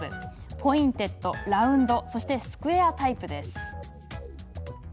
ポインテッド、ラウンドそしてスクエアタイプです。